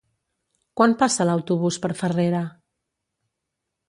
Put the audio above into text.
Quan passa l'autobús per Farrera?